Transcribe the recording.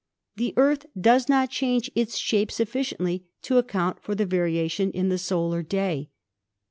The Earth does not change its shape suffi ciently to account for the variation in the solar day.